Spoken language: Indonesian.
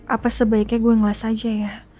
apa sebaiknya gue ngelas aja ya